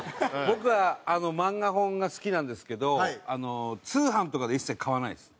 僕は漫画本が好きなんですけど通販とかで一切買わないです。